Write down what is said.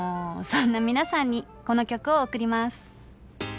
そんな皆さんにこの曲を贈ります。